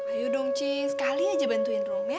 ayo dong cing sekali aja bantuin rom ya